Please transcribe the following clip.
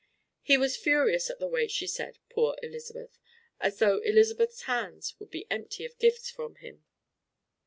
He was furious at the way she said "Poor Elizabeth" as though Elizabeth's hands would be empty of gifts from him.